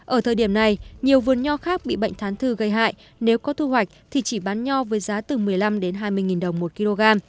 ở thời điểm này nhiều vườn nho khác bị bệnh thán thư gây hại nếu có thu hoạch thì chỉ bán nho với giá từ một mươi năm đến hai mươi đồng một kg